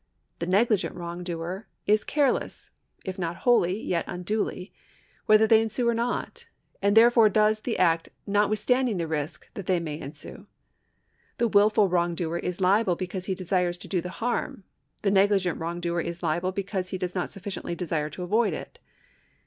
The negligent wrongdoer is careless (if not wholly, yet unduly) whether they ensue or not, and therefore does the act notwithstanding the risk that they may ensue. The wilful wrongdoer is liable because he desires to do the harm ; the negligent wrongdoer is liable because he does not sufficiently desire to avoid it.